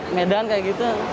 medan kayak gitu